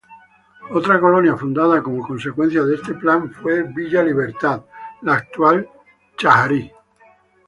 Otra colonia fundada como consecuencia de este plan fue Villa Libertad, la actual Chajarí.